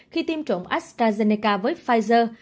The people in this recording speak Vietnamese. khi tiêm trộn astrazeneca với pfizer